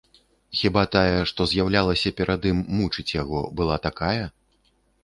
Хіба тая, што з'яўлялася перад ім мучыць яго, была такая?